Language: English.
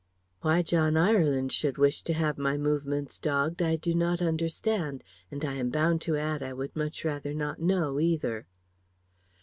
Why John Ireland should wish to have my movements dogged I do not understand; and I am bound to add I would much rather not know either."